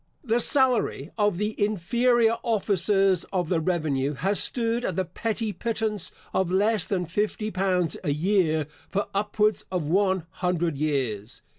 The salary of the inferior officers of the revenue has stood at the petty pittance of less than fifty pounds a year for upwards of one hundred years.